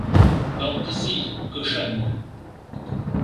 Hors-d’ici, cochonne !…